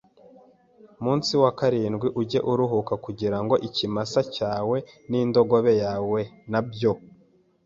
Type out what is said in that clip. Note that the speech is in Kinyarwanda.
munsi wa karindwi ujye uruhuka kugira ngo ikimasa cyawe n indogobe yawe na byo